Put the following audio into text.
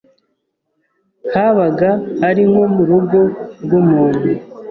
Habaga ari nko mu rugo rw’umuntu,